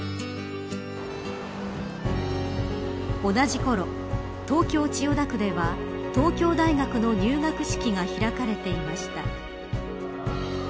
同じころ東京、千代田区では東京大学の入学式が開かれていました。